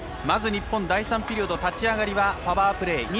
まず日本第３ピリオド立ち上がりはパワープレー。